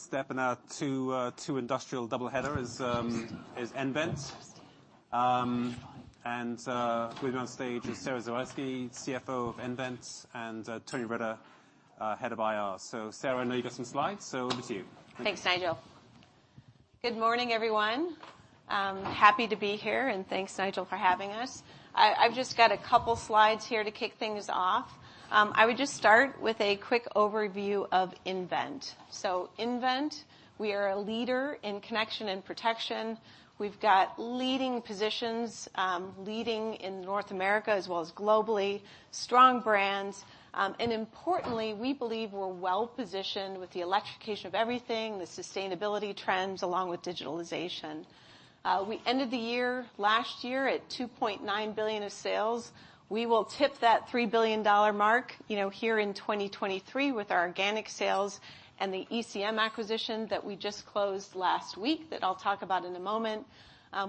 Step in our two industrial double header is nVent. With me on stage is Sara Zawoyski, CFO of nVent, and Tony Riter, Head of IR. Sara, I know you've got some slides, so over to you. Thanks, Nigel. Good morning, everyone. Happy to be here, thanks Nigel for having us. I've just got two slides here to kick things off. I would just start with a quick overview of nVent. nVent, we are a leader in connection and protection. We've got leading positions, leading in North America, as well as globally. Strong brands. Importantly, we believe we're well-positioned with the electrification of everything, the sustainability trends, along with digitalization. We ended the year last year at $2.9 billion of sales. We will tip that $3 billion mark, you know, here in 2023 with our organic sales and the ECM acquisition that we just closed last week, that I'll talk about in a moment.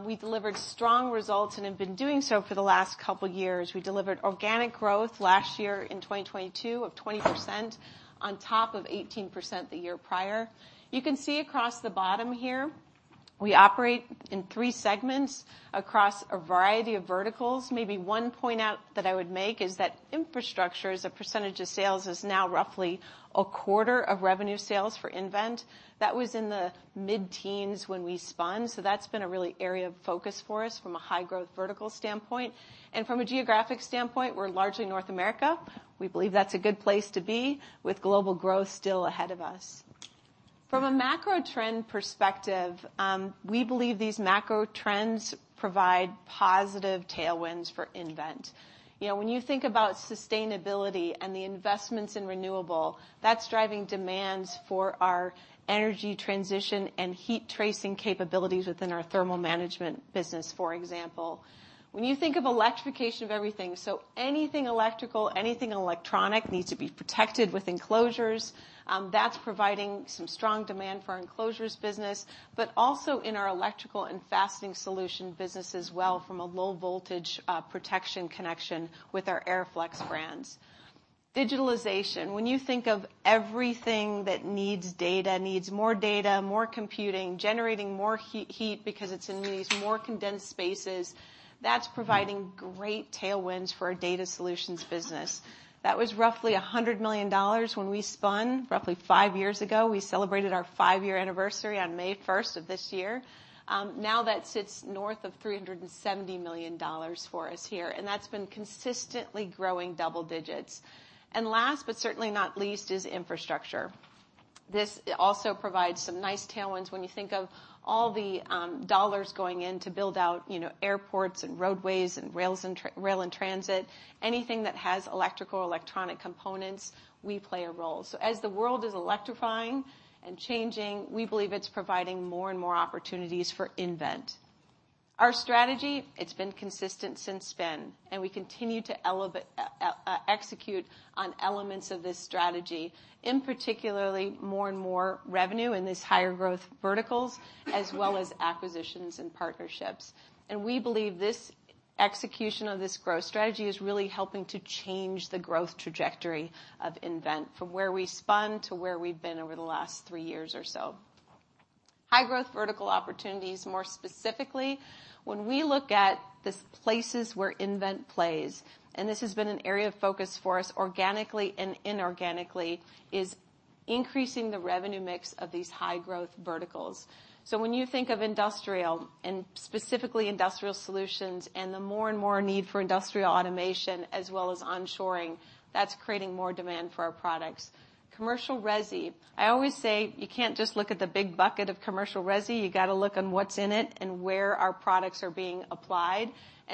We delivered strong results, have been doing so for the last two years. We delivered organic growth last year in 2022 of 20% on top of 18% the year prior. You can see across the bottom here, we operate in three segments across a variety of verticals. Maybe one point out that I would make is that infrastructure as a percentage of sales is now roughly a quarter of revenue sales for nVent. That was in the mid-teens when we spun, so that's been a really area of focus for us from a high-growth vertical standpoint. From a geographic standpoint, we're largely North America. We believe that's a good place to be, with global growth still ahead of us. From a macro trend perspective, we believe these macro trends provide positive tailwinds for nVent. You know, when you think about sustainability and the investments in renewable, that's driving demands for our energy transition and heat tracing capabilities within our Thermal Management business, for example. When you think of electrification of everything, anything electrical, anything electronic needs to be protected with enclosures. That's providing some strong demand for our enclosures business, but also in our Electrical and Fastening solution business as well from a low voltage, protection connection with our ERIFLEX brands. Digitalization. When you think of everything that needs data, needs more data, more computing, generating more heat because it's in these more condensed spaces, that's providing great tailwinds for our Data Solutions business. That was roughly $100 million when we spun roughly five years ago. We celebrated our five-year anniversary on May 1st of this year. Now that sits north of $370 million for us here, that's been consistently growing double digits. Last, but certainly not least, is infrastructure. This also provides some nice tailwinds when you think of all the dollars going in to build out, you know, airports and roadways and rails in rail and transit. Anything that has electrical or electronic components, we play a role. As the world is electrifying and changing, we believe it's providing more and more opportunities for nVent. Our strategy, it's been consistent since spin, we continue to execute on elements of this strategy, in particularly more and more revenue in these higher growth verticals, as well as acquisitions and partnerships. We believe this execution of this growth strategy is really helping to change the growth trajectory of nVent from where we spun to where we've been over the last three years or so. High growth vertical opportunities, more specifically, when we look at the places where nVent plays, and this has been an area of focus for us organically and inorganically, is increasing the revenue mix of these high growth verticals. When you think of industrial, and specifically industrial solutions and the more and more need for industrial automation as well as onshoring, that's creating more demand for our products. Commercial resi, I always say you can't just look at the big bucket of commercial resi, you gotta look on what's in it and where our products are being applied.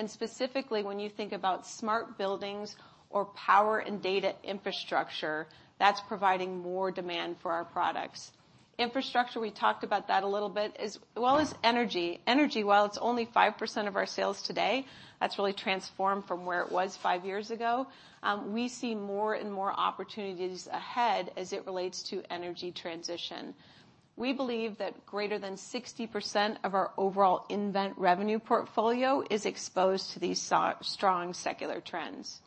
Specifically when you think about smart buildings or power and data infrastructure, that's providing more demand for our products. Infrastructure, we talked about that a little bit, as well as energy. Energy, while it's only 5% of our sales today, that's really transformed from where it was five years ago. We see more and more opportunities ahead as it relates to energy transition. We believe that greater than 60% of our overall nVent revenue portfolio is exposed to these strong secular trends.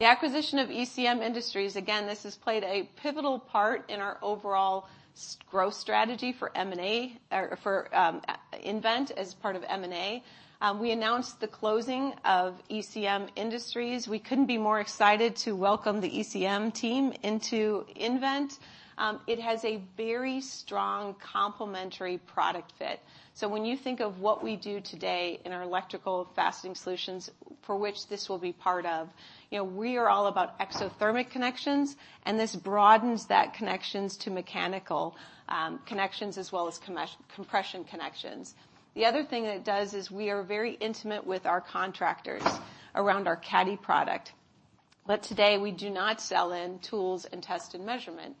The acquisition of ECM Industries, again, this has played a pivotal part in our overall growth strategy for M&A, or for nVent as part of M&A. We announced the closing of ECM Industries. We couldn't be more excited to welcome the ECM team into nVent. It has a very strong complementary product fit. When you think of what we do today in our Electrical and Fastening Solutions, for which this will be part of, you know, we are all about exothermic connections, and this broadens that connections to mechanical, connections as well as compression connections. The other thing that it does is we are very intimate with our contractors around our nVent CADDY product. Today we do not sell in tools and test and measurement.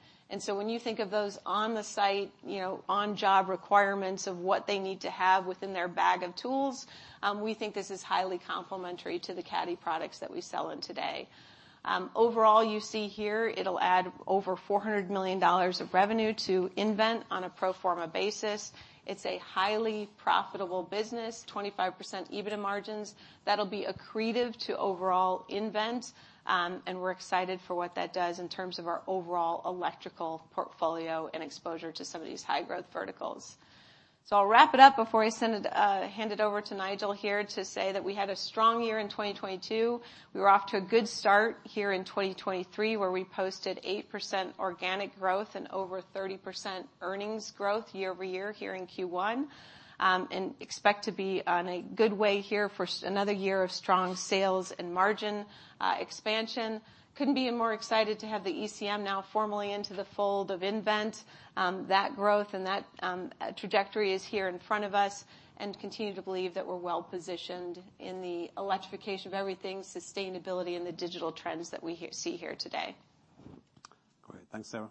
When you think of those on the site, you know, on job requirements of what they need to have within their bag of tools, we think this is highly complementary to the nVent CADDY products that we sell in today. You see here it'll add over $400 million of revenue to nVent on a pro forma basis. It's a highly profitable business, 25% EBITDA margins that'll be accretive to overall nVent. We're excited for what that does in terms of our overall electrical portfolio and exposure to some of these high growth verticals. I'll wrap it up before I send it, hand it over to Nigel here to say that we had a strong year in 2022. We were off to a good start here in 2023, where we posted 8% organic growth and over 30% earnings growth year-over-year here in Q1. Expect to be on a good way here for another year of strong sales and margin expansion. Couldn't be more excited to have the ECM now formally into the fold of nVent. That growth and that trajectory is here in front of us and continue to believe that we're well positioned in the electrification of everything, sustainability and the digital trends that we see here today. Great. Thanks, Sara.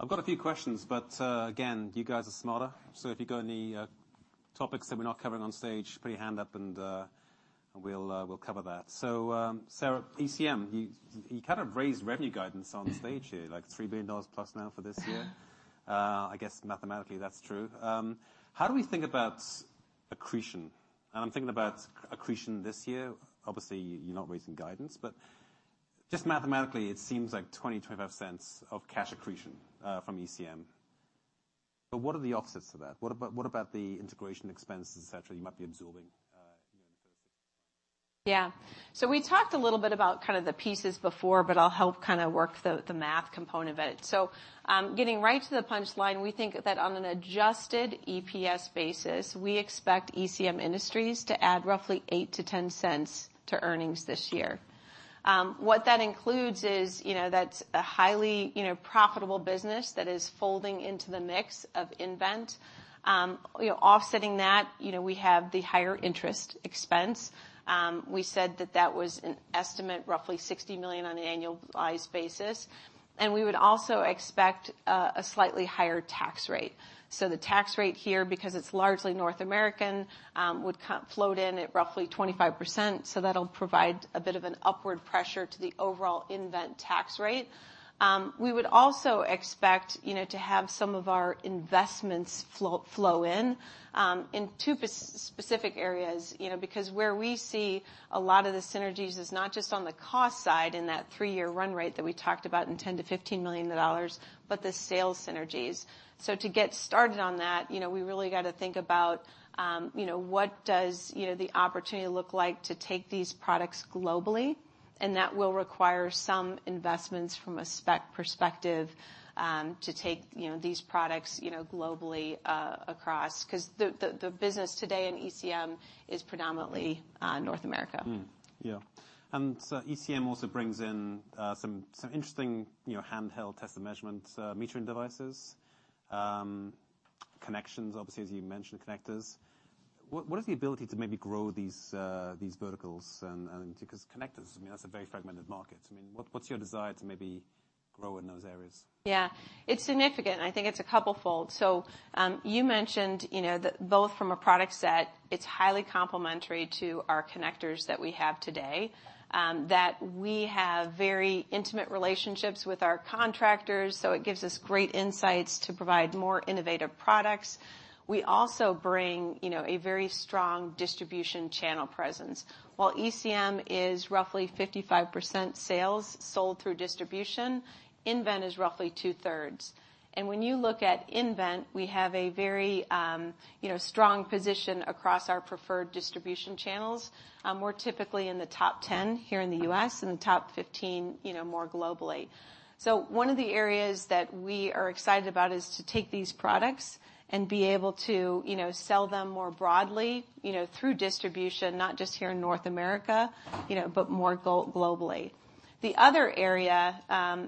I've got a few questions, but again, you guys are smarter. If you've got any topics that we're not covering on stage, put your hand up and we'll cover that. Sara, ECM, you kind of raised revenue guidance on stage here, like $3 billion plus now for this year. I guess mathematically that's true. How do we think about accretion? I'm thinking about accretion this year. Obviously, you're not raising guidance, but just mathematically it seems like $0.20-$0.25 of cash accretion from ECM. What are the offsets to that? What about the integration expenses, et cetera, you might be absorbing, you know, in the first six months? Yeah. We talked a little bit about kind of the pieces before, but I'll help kind of work the math component of it. Getting right to the punch line, we think that on an adjusted EPS basis, we expect ECM Industries to add roughly $0.08-$0.10 to earnings this year. What that includes is, you know, that's a highly, you know, profitable business that is folding into the mix of nVent. You know, offsetting that, you know, we have the higher interest expense. We said that that was an estimate, roughly $60 million on an annualized basis. We would also expect a slightly higher tax rate. The tax rate here, because it's largely North American, would float in at roughly 25%. That'll provide a bit of an upward pressure to the overall nVent tax rate. We would also expect, you know, to have some of our investments flow in two specific areas. You know, because where we see a lot of the synergies is not just on the cost side in that three-year run rate that we talked about in $10 million-$15 million, but the sales synergies. To get started on that, you know, we really got to think about, you know, what does, you know, the opportunity look like to take these products globally. That will require some investments from a spec perspective, to take, you know, these products, you know, globally, across. 'Cause the business today in ECM is predominantly North America. Yeah. ECM also brings in, you know, some interesting handheld test and measurement metering devices, connections, obviously, as you mentioned, connectors. What is the ability to maybe grow these verticals and because connectors, I mean, that's a very fragmented market. I mean, what's your desire to maybe grow in those areas? Yeah, it's significant, and I think it's a couple fold. You mentioned, you know, that both from a product set, it's highly complementary to our connectors that we have today. That we have very intimate relationships with our contractors, so it gives us great insights to provide more innovative products. We also bring, you know, a very strong distribution channel presence. While ECM is roughly 55% sales sold through distribution, nVent is roughly 2/3. When you look at nVent, we have a very, you know, strong position across our preferred distribution channels. We're typically in the top 10 here in the U.S. and the top 15, you know, more globally. One of the areas that we are excited about is to take these products and be able to, you know, sell them more broadly, you know, through distribution, not just here in North America, you know, but more globally. The other area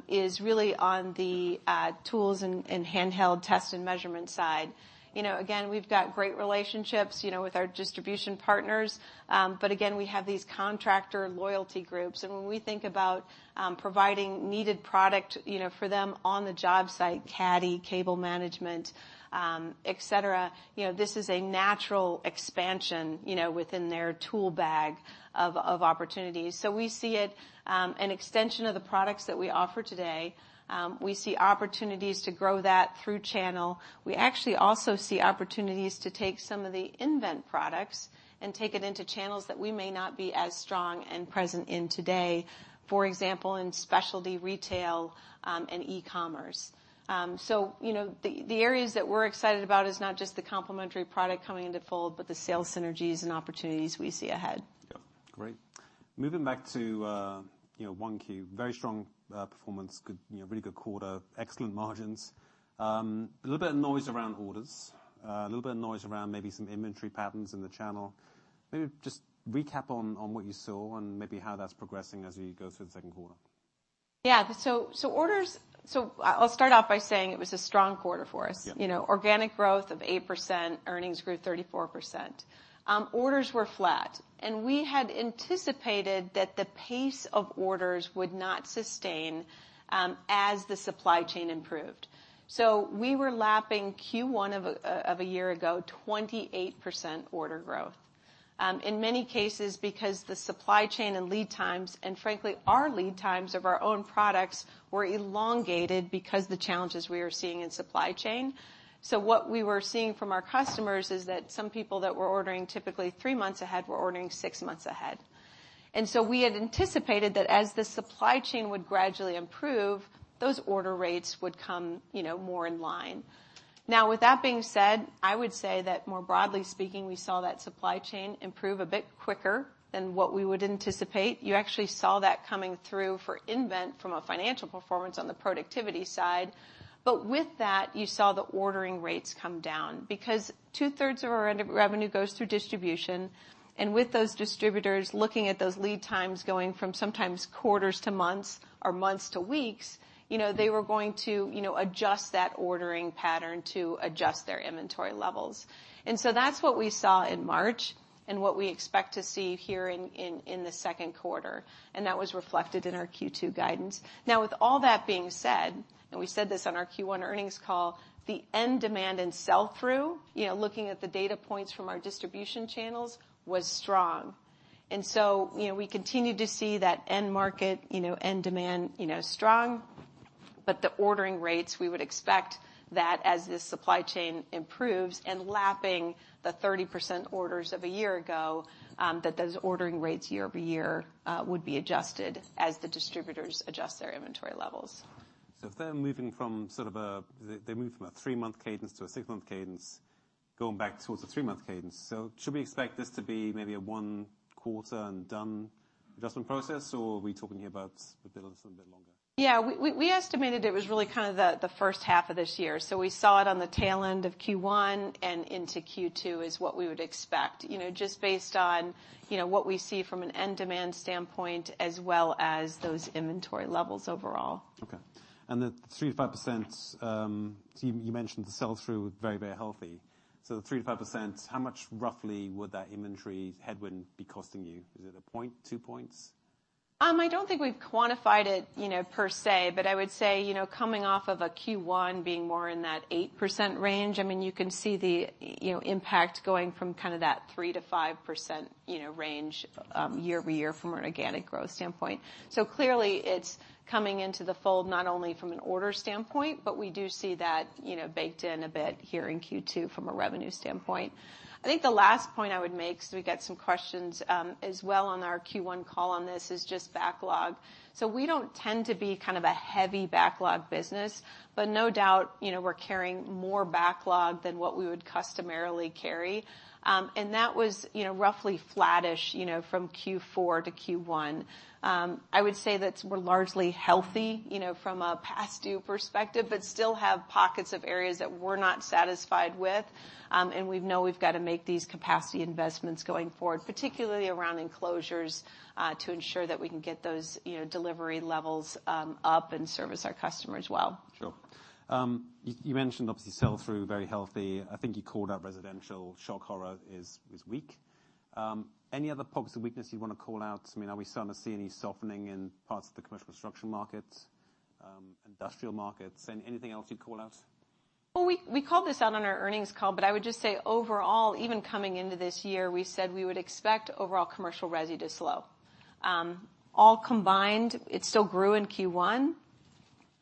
is really on the tools and handheld test and measurement side. You know, again, we've got great relationships, you know, with our distribution partners. But again, we have these contractor loyalty groups. When we think about providing needed product, you know, for them on the job site, nVent CADDY, cable management, et cetera, you know, this is a natural expansion, you know, within their tool bag of opportunities. We see it an extension of the products that we offer today. We see opportunities to grow that through channel. We actually also see opportunities to take some of the nVent products and take it into channels that we may not be as strong and present in today, for example, in specialty retail, and e-commerce. You know, the areas that we're excited about is not just the complementary product coming into fold, but the sales synergies and opportunities we see ahead. Yeah. Great. Moving back to, you know, 1Q, very strong performance, good, you know, really good quarter, excellent margins. A little bit of noise around orders, a little bit of noise around maybe some inventory patterns in the channel. Maybe just recap on what you saw and maybe how that's progressing as we go through the 2Q? Yeah. I'll start off by saying it was a strong quarter for us. Yeah. You know, organic growth of 8%, earnings grew 34%. Orders were flat, and we had anticipated that the pace of orders would not sustain as the supply chain improved. We were lapping Q1 of a year ago 28% order growth. In many cases, because the supply chain and lead times, and frankly our lead times of our own products were elongated because the challenges we were seeing in supply chain. What we were seeing from our customers is that some people that were ordering typically three months ahead were ordering six months ahead. We had anticipated that as the supply chain would gradually improve, those order rates would come, you know, more in line. With that being said, I would say that more broadly speaking, we saw that supply chain improve a bit quicker than what we would anticipate. You actually saw that coming through for nVent from a financial performance on the productivity side. With that, you saw the ordering rates come down because two-thirds of our end revenue goes through distribution, and with those distributors looking at those lead times going from sometimes quarters to months or months to weeks, you know, they were going to, you know, adjust that ordering pattern to adjust their inventory levels. That's what we saw in March and what we expect to see here in the second quarter, and that was reflected in our Q2 guidance. With all that being said, we said this on our Q1 earnings call, the end demand and sell-through, you know, looking at the data points from our distribution channels, was strong. You know, we continue to see that end market, you know, end demand, you know, strong, but the ordering rates, we would expect that as the supply chain improves and lapping the 30% orders of a year ago, that those ordering rates year-over-year would be adjusted as the distributors adjust their inventory levels. If they're moving from They moved from a three-month cadence to a six-month cadence, going back towards the three-month cadence. Should we expect this to be maybe a one quarter and done adjustment process? Are we talking here about a bit of something a bit longer? Yeah, we estimated it was really kind of the first half of this year. We saw it on the tail end of Q1 and into Q2 is what we would expect, you know, just based on, you know, what we see from an end demand standpoint as well as those inventory levels overall. Okay. The 3%-5%, you mentioned the sell-through was very, very healthy. The 3%-5%, how much roughly would that inventory headwind be costing you? Is it one point, two points? I don't think we've quantified it, you know, per se, but I would say, you know, coming off of a Q1 being more in that 8% range, I mean, you can see the, you know, impact going from kind of that 3%-5%, you know, range year over year from an organic growth standpoint. Clearly it's coming into the fold, not only from an order standpoint, but we do see that, you know, baked in a bit here in Q2 from a revenue standpoint. The last point I would make, 'cause we got some questions as well on our Q1 call on this, is just backlog. We don't tend to be kind of a heavy backlog business, but no doubt, you know, we're carrying more backlog than what we would customarily carry. That was, you know, roughly flattish, you know, from Q4 to Q1. I would say that we're largely healthy, you know, from a past due perspective, but still have pockets of areas that we're not satisfied with. We know we've got to make these capacity investments going forward, particularly around enclosures, to ensure that we can get those, you know, delivery levels up and service our customers well. Sure. You mentioned obviously sell-through very healthy. I think you called out residential, shock horror, is weak. Any other pockets of weakness you wanna call out? I mean, are we starting to see any softening in parts of the commercial construction market, industrial markets? Anything else you'd call out? Well, we called this out on our earnings call, I would just say overall, even coming into this year, we said we would expect overall commercial resi to slow. All combined, it still grew in Q1,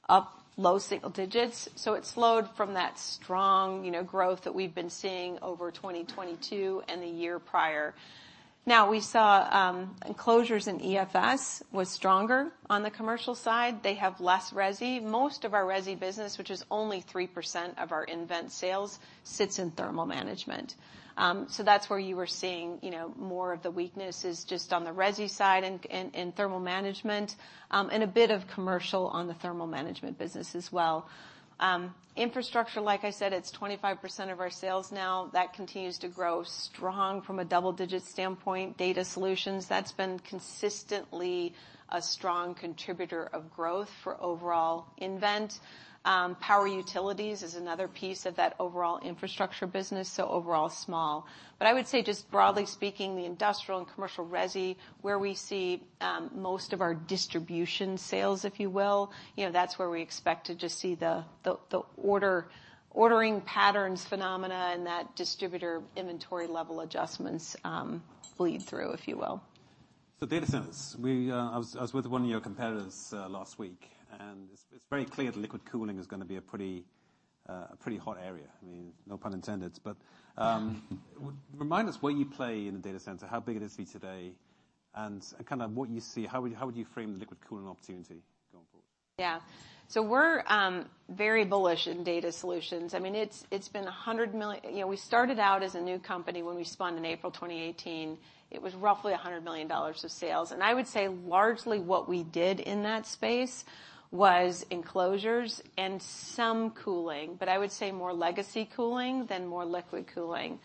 up low single digits. It slowed from that strong, you know, growth that we've been seeing over 2022 and the year prior. We saw enclosures in EFS was stronger on the commercial side. They have less resi. Most of our resi business, which is only 3% of our nVent sales, sits in Thermal Management. That's where you were seeing, you know, more of the weaknesses just on the resi side in Thermal Management and a bit of commercial on the Thermal Management business as well. Infrastructure, like I said, it's 25% of our sales now. That continues to grow strong from a double digit standpoint. Data solutions, that's been consistently a strong contributor of growth for overall nVent. Power utilities is another piece of that overall infrastructure business, overall small. I would say just broadly speaking, the industrial and commercial resi where we see, most of our distribution sales, if you will, you know, that's where we expect to just see the ordering patterns phenomena and that distributor inventory level adjustments, bleed through, if you will. Data centers. I was with one of your competitors, last week, and it's very clear that liquid cooling is gonna be a pretty, a pretty hot area. I mean, no pun intended. Remind us where you play in the data center, how big it is for you today, and kind of what you see, how would you frame the liquid cooling opportunity going forward? Yeah. We're very bullish in Data Center Solutions. I mean, it's been $100 million. You know, we started out as a new company when we spun in April 2018. It was roughly $100 million of sales. I would say largely what we did in that space was enclosures and some cooling, but I would say more legacy cooling than more liquid cooling.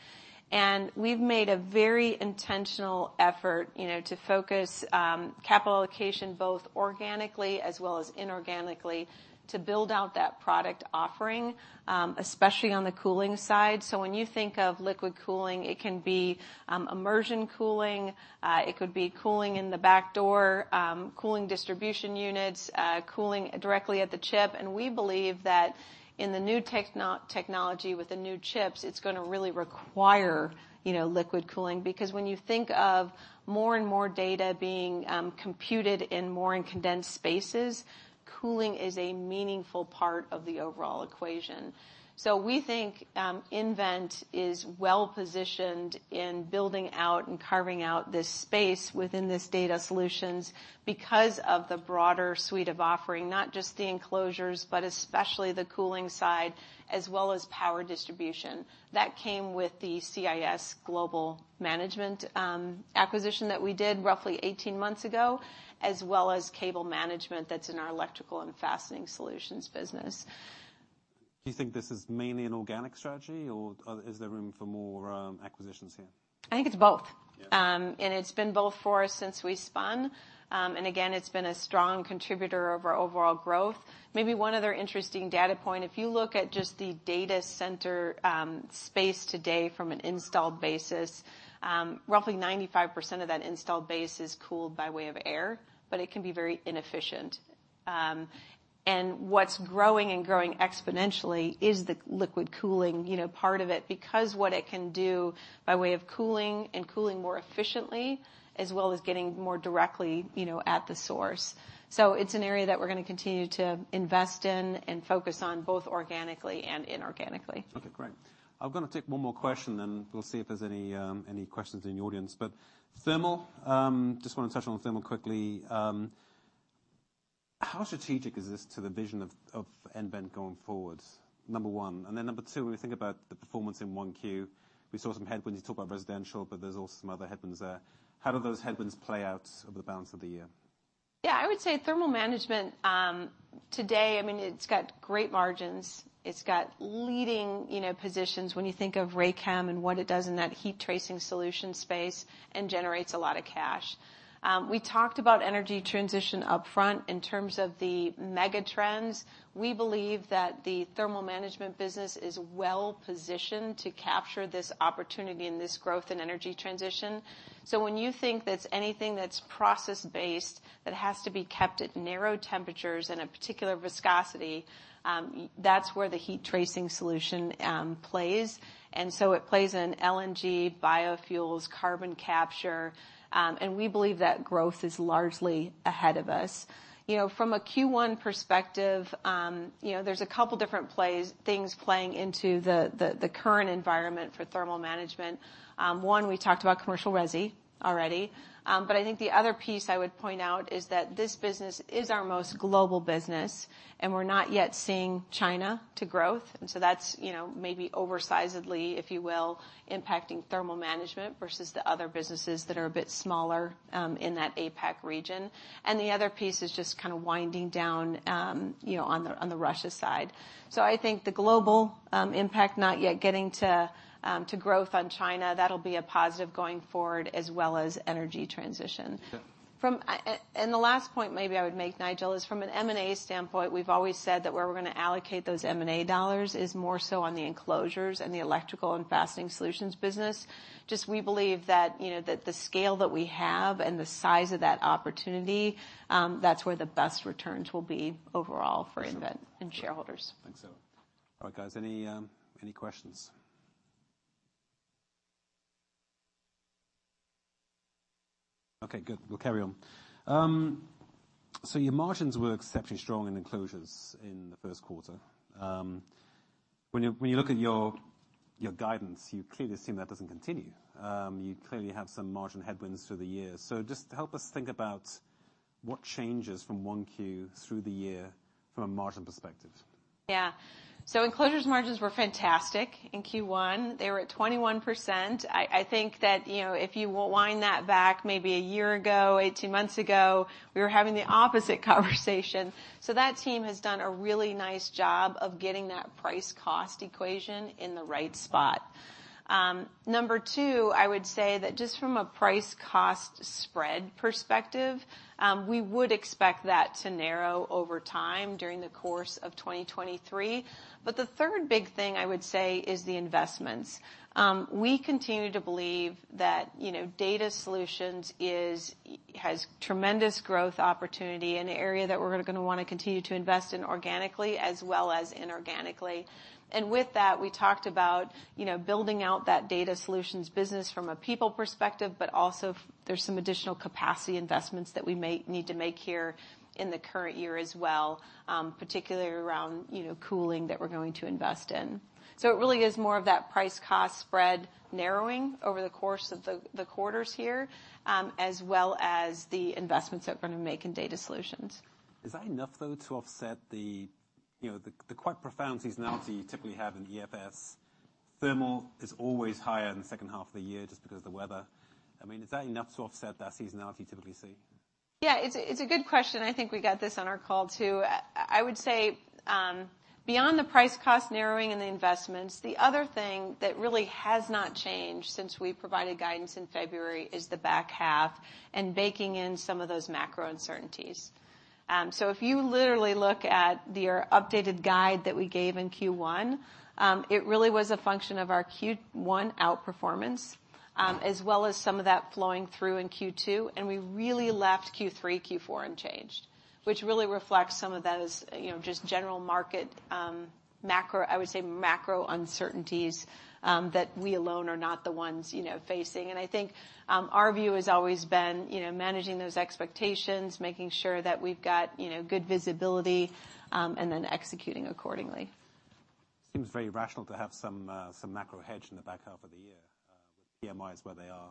We've made a very intentional effort, you know, to focus capital allocation, both organically as well as inorganically, to build out that product offering, especially on the cooling side. When you think of liquid cooling, it can be immersion cooling, it could be cooling in the back door, Cooling Distribution Units, cooling directly at the chip. We believe that in the new technology with the new chips, it's gonna really require, you know, liquid cooling. When you think of more and more data being computed in more and condensed spaces, cooling is a meaningful part of the overall equation. We think nVent is well-positioned in building out and carving out this space within this data solutions because of the broader suite of offering, not just the enclosures, but especially the cooling side as well as power distribution. That came with the CIS Global Management acquisition that we did roughly 18 months ago, as well as cable management that's in our Electrical and Fastening Solutions business. Do you think this is mainly an organic strategy, or is there room for more acquisitions here? I think it's both. Yeah. It's been both for us since we spun. Again, it's been a strong contributor of our overall growth. Maybe one other interesting data point. If you look at just the data center space today from an install basis, roughly 95% of that installed base is cooled by way of air, but it can be very inefficient. And what's growing and growing exponentially is the liquid cooling, you know, part of it, because what it can do by way of cooling and cooling more efficiently, as well as getting more directly, you know, at the source. It's an area that we're gonna continue to invest in and focus on both organically and inorganically. Okay, great. I'm gonna take one more question, then we'll see if there's any questions in the audience. Thermal, just wanna touch on thermal quickly. How strategic is this to the vision of nVent going forward, number one? Number two, when we think about the performance in one Q, we saw some headwinds. You talked about residential, but there's also some other headwinds there. How do those headwinds play out over the balance of the year? Yeah. I would say Thermal Management, today, I mean, it's got great margins. It's got leading, you know, positions when you think of Raychem and what it does in that heat tracing solution space. It generates a lot of cash. We talked about energy transition upfront in terms of the mega trends. We believe that the Thermal Management business is well-positioned to capture this opportunity and this growth in energy transition. When you think that's anything that's process-based that has to be kept at narrow temperatures in a particular viscosity, that's where the heat tracing solution plays. It plays in LNG, biofuels, carbon capture, and we believe that growth is largely ahead of us. You know, from a Q1 perspective, you know, there's a couple different plays, things playing into the current environment for Thermal Management. One, we talked about commercial resi already. I think the other piece I would point out is that this business is our most global business, and we're not yet seeing China to growth. That's, you know, maybe oversizedly, if you will, impacting Thermal Management versus the other businesses that are a bit smaller in that APAC region. The other piece is just kinda winding down, you know, on the, on the Russia side. I think the global impact not yet getting to to growth on China, that'll be a positive going forward as well as energy transition. Yeah. The last point maybe I would make, Nigel, is from an M&A standpoint, we've always said that where we're gonna allocate those M&A dollars is more so on the enclosures and the Electrical and Fastening Solutions business. Just we believe that, you know, the scale that we have and the size of that opportunity, that's where the best returns will be overall for nVent and shareholders. Thanks, Sara. All right, guys, any questions? Okay, good. We'll carry on. Your margins were exceptionally strong in enclosures in the first quarter. When you look at your guidance, you clearly assume that doesn't continue. You clearly have some margin headwinds through the year. Just help us think about what changes from 1Q through the year from a margin perspective. Yeah. enclosures margins were fantastic in Q1. They were at 21%. I think that, you know, if you wind that back maybe a year ago, 18 months ago, we were having the opposite conversation. That team has done a really nice job of getting that price-cost equation in the right spot. Number two, I would say that just from a price-cost spread perspective, we would expect that to narrow over time during the course of 2023. The third big thing I would say is the investments. We continue to believe that, you know, data solutions has tremendous growth opportunity in the area that we're gonna wanna continue to invest in organically as well as inorganically. With that, we talked about, you know, building out that Data Center Solutions business from a people perspective, but also there's some additional capacity investments that we need to make here in the current year as well, particularly around, you know, cooling that we're going to invest in. It really is more of that price-cost spread narrowing over the course of the quarters here, as well as the investments that we're gonna make in Data Center Solutions. Is that enough, though, to offset You know, the quite profound seasonality you typically have in EFS, Thermal is always higher in the second half of the year just because of the weather? I mean, is that enough to offset that seasonality you typically see? Yeah, it's a good question. I think we got this on our call too. I would say, beyond the price cost narrowing and the investments, the other thing that really has not changed since we provided guidance in February is the back half and baking in some of those macro uncertainties. If you literally look at the updated guide that we gave in Q1, it really was a function of our Q1 outperformance, as well as some of that flowing through in Q2, and we really left Q3, Q4 unchanged, which really reflects some of those, you know, just general market, macro uncertainties, that we alone are not the ones, you know, facing. I think, our view has always been, you know, managing those expectations, making sure that we've got, you know, good visibility, and then executing accordingly. Seems very rational to have some macro hedge in the back half of the year, with PMIs where they are.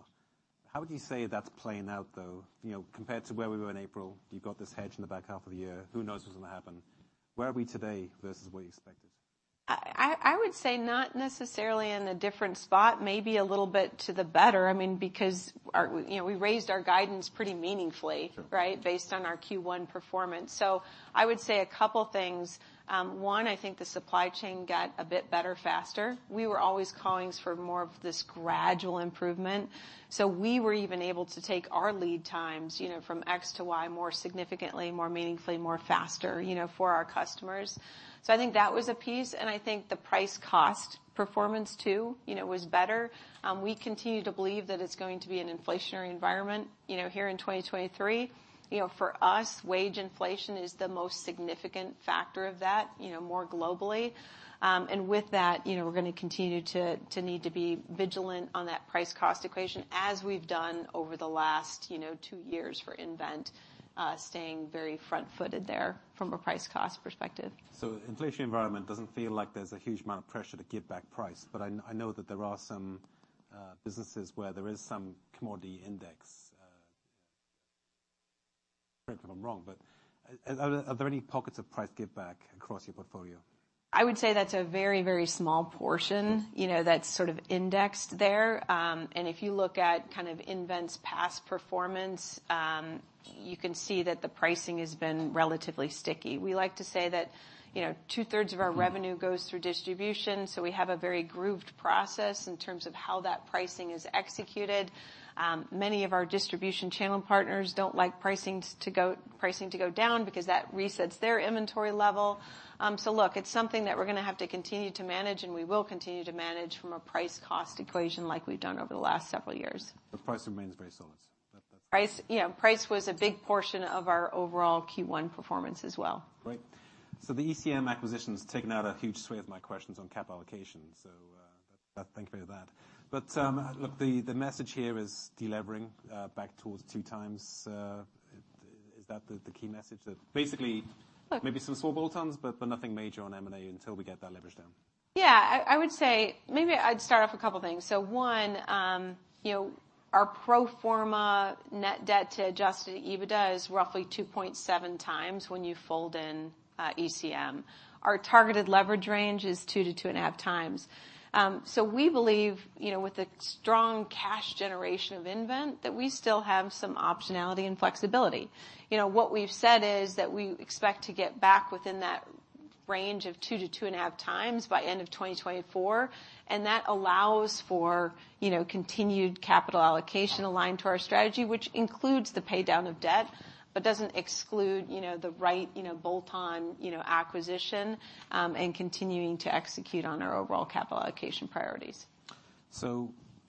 How would you say that's playing out, though? You know, compared to where we were in April, you've got this hedge in the back half of the year, who knows what's gonna happen. Where are we today versus what you expected? I would say not necessarily in a different spot, maybe a little bit to the better. I mean, You know, we raised our guidance pretty meaningfully, right? Based on our Q1 performance. I would say a couple things. One, I think the supply chain got a bit better faster. We were always calling for more of this gradual improvement, so we were even able to take our lead times, you know, from X to Y more significantly, more meaningfully, more faster, you know, for our customers. I think that was a piece, and I think the price cost performance too, you know, was better. We continue to believe that it's going to be an inflationary environment, you know, here in 2023. You know, for us, wage inflation is the most significant factor of that, you know, more globally. With that, you know, we're gonna continue to need to be vigilant on that price cost equation as we've done over the last, you know, two years for nVent, staying very front-footed there from a price cost perspective. Inflationary environment doesn't feel like there's a huge amount of pressure to give back price, but I know that there are some businesses where there is some commodity index, correct me if I'm wrong, but are there any pockets of price give back across your portfolio? I would say that's a very, very small portion. You know, that's sort of indexed there. If you look at kind of nVent's past performance, you can see that the pricing has been relatively sticky. We like to say that, you know, 2/3 of our revenue goes through distribution, so we have a very grooved process in terms of how that pricing is executed. Many of our distribution channel partners don't like pricing to go down because that resets their inventory level. Look, it's something that we're gonna have to continue to manage, and we will continue to manage from a price cost equation like we've done over the last several years. The price remains very solid. Price, yeah, price was a big portion of our overall Q1 performance as well. Great. The ECM acquisition's taken out a huge swathe of my questions on cap allocation, so, thank you for that. Look, the message here is delevering back towards two times. Is that the key message that. Look. Maybe some small bolt-ons, but nothing major on M&A until we get that leverage down. I would say. Maybe I'd start off a couple things. One, you know, our pro forma net debt to adjusted EBITDA is roughly 2.7 times when you fold in ECM. Our targeted leverage range is two to 2.5 times. We believe, you know, with a strong cash generation of nVent, that we still have some optionality and flexibility. You know, what we've said is that we expect to get back within that range of two to 2.5 times by end of 2024, and that allows for, you know, continued capital allocation aligned to our strategy, which includes the pay down of debt but doesn't exclude, you know, the right, you know, bolt-on acquisition, and continuing to execute on our overall capital allocation priorities.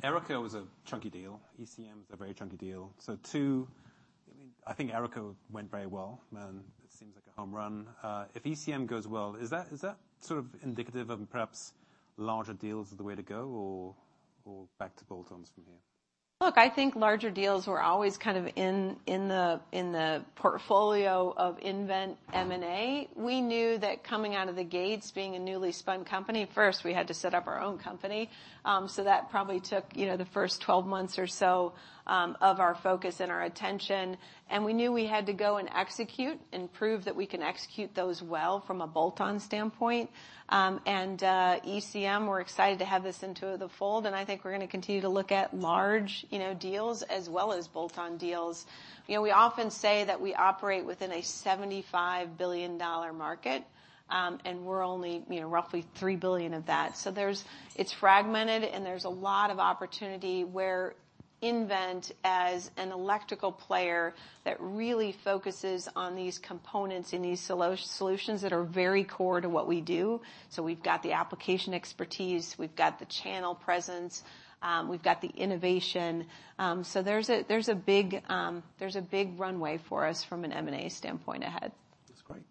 ERICO was a chunky deal. ECM is a very chunky deal. Two, I mean, I think ERICO went very well, and it seems like a home run. If ECM goes well, is that sort of indicative of perhaps larger deals are the way to go or back to bolt-ons from here? Look, I think larger deals were always kind of in the, in the portfolio of nVent M&A. We knew that coming out of the gates, being a newly spun company, first we had to set up our own company. That probably took, you know, the first 12 months or so, of our focus and our attention, and we knew we had to go and execute and prove that we can execute those well from a bolt-on standpoint. ECM, we're excited to have this into the fold, and I think we're gonna continue to look at large, you know, deals as well as bolt-on deals. You know, we often say that we operate within a $75 billion market, and we're only, you know, roughly $3 billion of that. There's... It's fragmented, and there's a lot of opportunity where nVent, as an electrical player that really focuses on these components and these solutions that are very core to what we do. We've got the application expertise, we've got the channel presence, we've got the innovation. There's a big runway for us from an M&A standpoint ahead. That's great.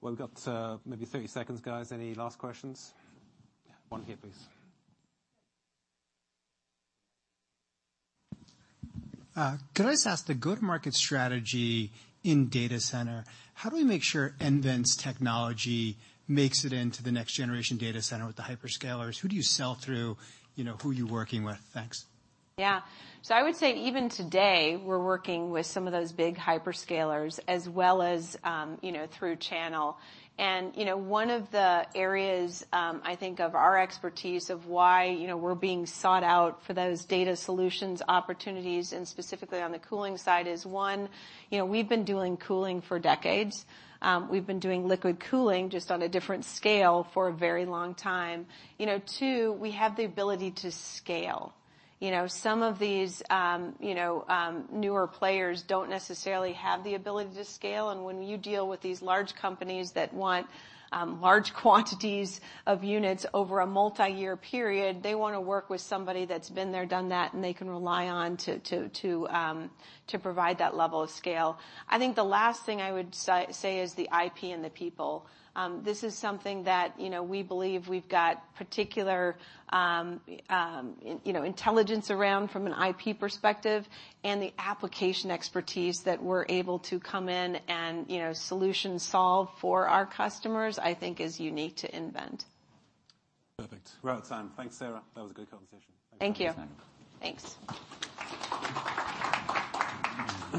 Well, we've got, maybe 30 seconds, guys. Any last questions? One here, please. Could I just ask the go-to-market strategy in data center, how do we make sure nVent's technology makes it into the next generation data center with the hyperscalers? Who do you sell through? You know, who are you working with? Thanks. Yeah. I would say even today, we're working with some of those big hyperscalers as well as, you know, through channel. One of the areas, I think of our expertise of why, you know, we're being sought out for those data solutions opportunities and specifically on the cooling side is, one, you know, we've been doing cooling for decades. We've been doing liquid cooling, just on a different scale, for a very long time. You know, two, we have the ability to scale. You know, some of these, you know, newer players don't necessarily have the ability to scale. When you deal with these large companies that want, large quantities of units over a multi-year period, they wanna work with somebody that's been there, done that, and they can rely on to provide that level of scale. I think the last thing I would say is the IP and the people. This is something that, you know, we believe we've got particular, you know, intelligence around from an IP perspective and the application expertise that we're able to come in and, you know, solution solve for our customers, I think is unique to nVent. Perfect. We're out of time. Thanks, Sarah. That was a good conversation. Thank you. Thanks for your time. Thanks.